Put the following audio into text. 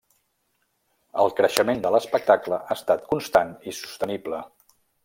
El creixement de l'espectacle ha estat constant i sostenible.